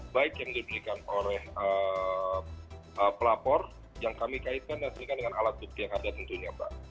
baik yang diberikan oleh pelapor yang kami kaitkan dan berikan dengan alat bukti yang ada tentunya mbak